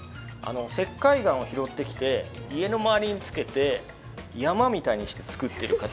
石灰岩を拾ってきて家の周りにつけて山みたいにして作ってる方。